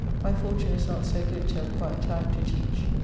My fortune is not so good to have quiet time to teache.'